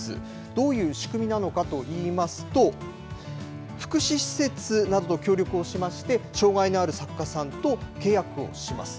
どういう仕組みなのかといいますと、福祉施設などと協力をしまして、障害のある作家さんと契約をします。